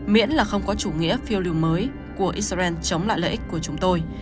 miễn là không có chủ nghĩa phiêu lưu mới của israel chống lại lợi ích của chúng tôi